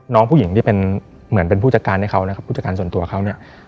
น้องผู้หญิงที่เป็นเหมือนเป็นผู้จัดการให้เขานะครับผู้จัดการส่วนตัวเขาเนี่ย